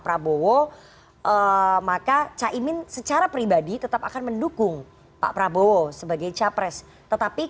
prabowo maka caimin secara pribadi tetap akan mendukung pak prabowo sebagai capres tetapi